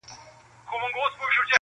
په څيرلو په وژلو كي بېباكه٫